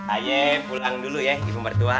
ayah pulang dulu ya ibu murtua